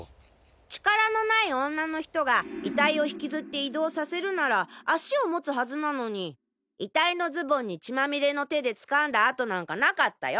力のない女の人が遺体を引きずって移動させるなら足を持つはずなのに遺体のズボンに血まみれの手で掴んだ跡なんかなかったよ？